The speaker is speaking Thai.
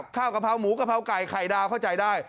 กะเพราหมูกะเพราไก่ไข่ดาวเข้าใจได้